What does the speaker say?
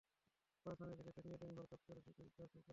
পরে স্থানীয় কৃষকদের নিয়ে দিনভর কাজ করে সেটি সংস্কার করা হয়।